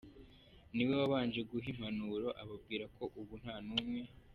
niwe wabanje guha impanuro ababwira ko ubu nta n’umwe